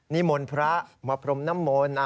นิมนต์พระมาพรมน้ำมนต์